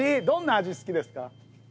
どんな味好きですか？